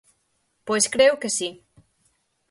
Pois creo que si.